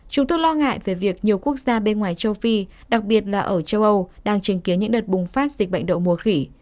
chúng tôi lo ngại về việc nhiều quốc gia bên ngoài châu phi đặc biệt là ở châu âu đang chứng kiến những đợt bùng phát dịch bệnh đậu mùa khỉ